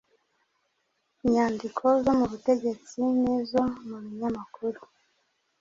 inyandiko zo mu butegetsi n’izo mu binyamakuru